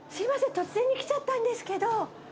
突然に来ちゃったんですけど。